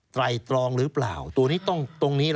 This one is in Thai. ไตรองรึเปล่าตัวนี้ต้องตรงนี้